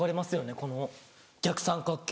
この逆三角形。